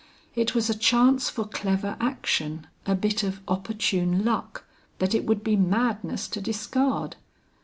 It was a chance for clever action; a bit of opportune luck that it would be madness to discard.